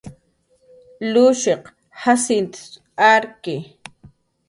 Lushiq Jacint arki